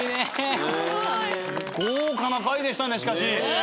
豪華な回でしたねしかし。